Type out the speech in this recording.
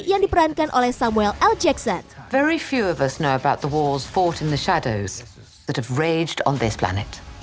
yang diperankan oleh samuel l jackson